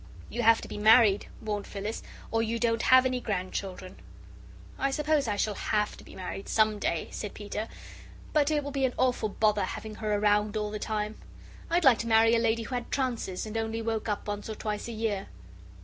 "You have to be married," warned Phyllis, "or you don't have any grandchildren." "I suppose I shall HAVE to be married some day," said Peter, "but it will be an awful bother having her round all the time. I'd like to marry a lady who had trances, and only woke up once or twice a year."